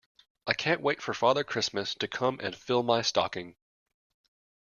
I can't wait for Father Christmas to come and fill my stocking